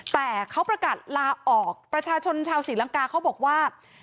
แต่เขาประกาศลาออกประชาชนชาวศรีลังกาเขาบอกว่า